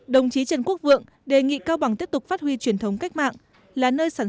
đồng chí trần quốc vượng đề nghị cao bằng tiếp tục phát huy truyền thống cách mạng là nơi sản